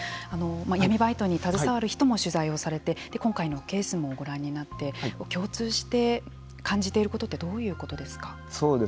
闇バイトに携わる人も取材をされて今回のケースもご覧になって共通して感じていることってどういうことですか。